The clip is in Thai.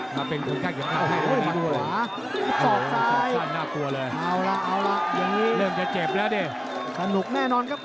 มาเป็นคนค่าเก็บค่าใขว้วันนี้ดูก่ะ